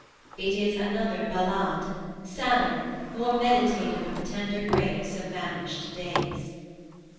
It is another Ballade, sadder, more meditative of the tender grace of vanished days.